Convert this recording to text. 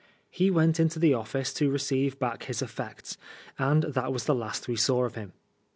He went into the office to receive back his effects, and that was the last we saw of him.